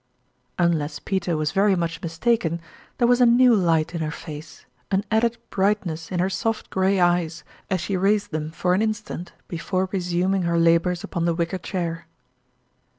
Unless Peter was very much mistaken, there was a new light in her face, an added bright. ness in her soft gray eyes as she raised them for an instant before resuming her labors upon the wicker chair.